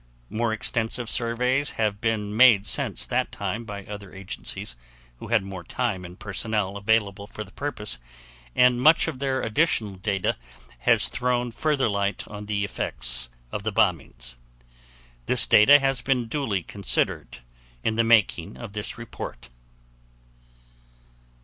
More extensive surveys have been made since that time by other agencies who had more time and personnel available for the purpose, and much of their additional data has thrown further light on the effects of the bombings. This data has been duly considered in the making of this report.